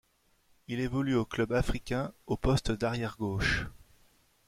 Il évolue au Club africain au poste d'arrière gauche.